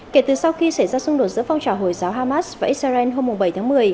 kể từ sau khi xảy ra xung đột giữa phong trào hồi giáo hamas và israel hôm bảy tháng một mươi